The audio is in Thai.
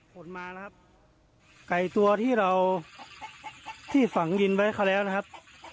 ไก่ตัวที่เราที่ฝังยินไว้เขาแล้วนะครับ